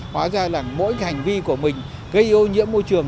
hóa ra là mỗi cái hành vi của mình gây ô nhiễm môi trường